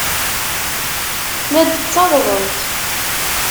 La d-ttawḍent.